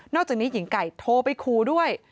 อกจากนี้หญิงไก่โทรไปคูด้วย